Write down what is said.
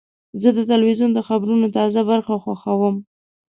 زه د تلویزیون د خبرونو تازه برخه خوښوم.